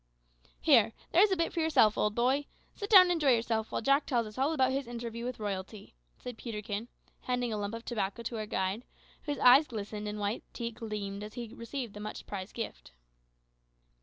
"Here, there's a bit for yourself, old boy. Sit down and enjoy yourself while Jack tells us all about his interview with royalty," said Peterkin, handing a lump of tobacco to our guide, whose eyes glistened and white teeth gleamed as he received the much prized gift.